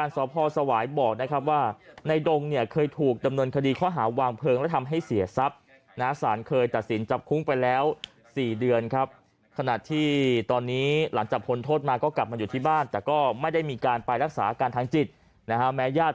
เรื่องทะเลาะกันจะฆ่ากันตายครับ